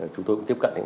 chúng tôi cũng tiếp cận